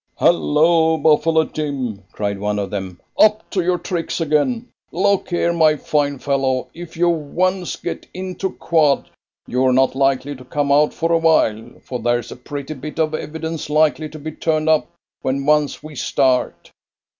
"Hullo, Buffalo Jim!" cried one of them, "up to your tricks again. Look here, my fine fellow, if you once get into quad, you're not likely to come out for a while, for there's a pretty bit of evidence likely to be turned up when once we start.